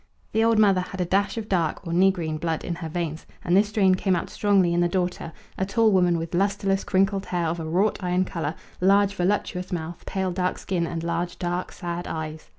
The old mother had a dash of dark or negrine blood in her veins, and this strain came out strongly in the daughter, a tall woman with lustreless crinkled hair of a wrought iron colour, large voluptuous mouth, pale dark skin, and large dark sad eyes.